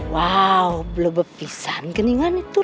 yaudah aku fotoin dulu